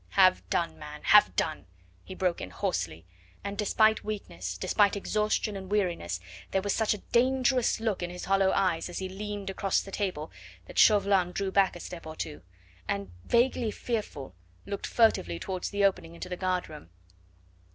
"Have done, man have done," he broke in hoarsely, and despite weakness, despite exhaustion and weariness, there was such a dangerous look in his hollow eyes as he leaned across the table that Chauvelin drew back a step or two, and vaguely fearful looked furtively towards the opening into the guard room.